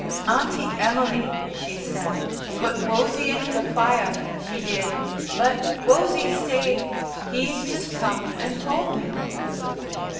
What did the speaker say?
"Auntie Emily," she said, "put Wosie into the fire, she did. But Wosie's saved.... He's just come and told me."